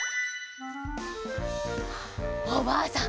おばあさん